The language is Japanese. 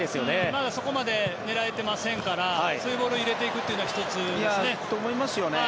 まだそこまで狙えていませんからそういうボールを入れていくのは１つですね。